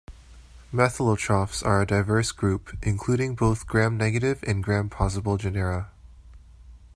Methylotrophs are a diverse group, including both Gram-negative and Gram-positive genera.